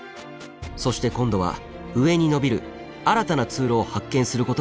そして今度は上にのびる新たな通路を発見することになります。